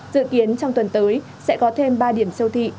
dự kiến trong tuần tới sẽ có thêm ba điểm siêu thị